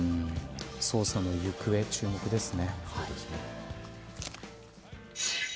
捜査の行方、注目ですね。